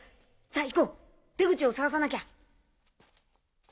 さぁ行こう出口を探さなきゃ。